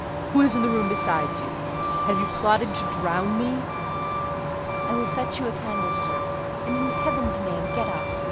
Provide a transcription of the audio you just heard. Who is in the room besides you? Have you plotted to drown me?" "I will fetch you a candle, sir; and, in Heaven's name, get up.